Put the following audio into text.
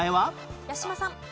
八嶋さん。